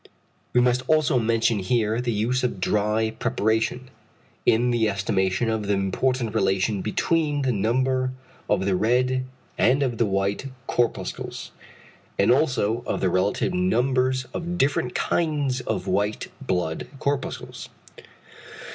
We must also mention here the use of the dry preparation in the estimation of the important relation between the number of the red and of the white corpuscles; and also of the relative numbers of different kinds of white blood corpuscles.